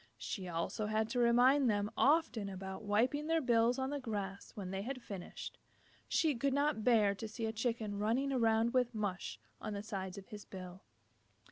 She also had to remind them often about wiping their bills on the grass when they had finished. She could not bear to see a Chicken running around with mush on the sides of his bill.